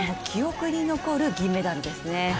記憶に残る銀メダルですね。